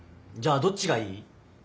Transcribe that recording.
じゃあどっちがいい？